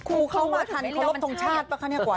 ครูเขามาทันเคารพทงชาติป่ะคะเนี่ยกว่า